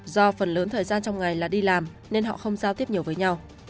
do phần lớn thời gian trong ngày là đi làm nên họ không giao tiếp nhiều với nhau